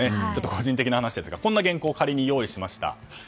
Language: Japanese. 個人的な話ですがこんな原稿を仮で用意しました。